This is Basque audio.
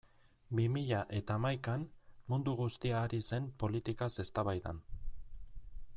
Bi mila eta hamaikan mundu guztia ari zen politikaz eztabaidan.